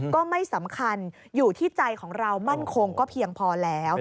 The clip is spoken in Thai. ก็ไม่สำคัญอยู่ที่ใจของเรามั่นคงก็เพียงพอแล้ว